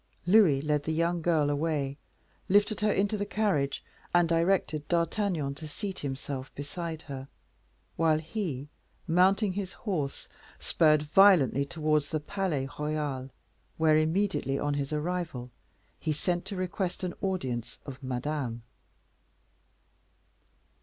Louis led the young girl away, lifted her into the carriage, and directed D'Artagnan to seat himself beside her, while he, mounting his horse, spurred violently towards the Palais Royal, where, immediately on his arrival, he sent to request an audience of Madame.